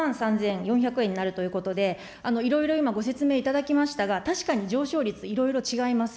４万３４００円になるということで、いろいろ今、ご説明いただきましたが、確かに上昇率、いろいろ違います。